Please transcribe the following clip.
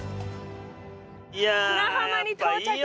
砂浜に到着です。